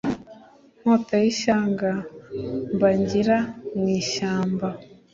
Nkota y’ ishyanga mbangira mu ishyamba.